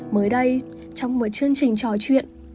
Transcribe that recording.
mới đây trong một chương trình trò chuyện